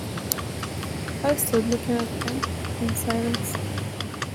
I stood looking at him in silence.